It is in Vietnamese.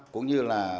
cũng như là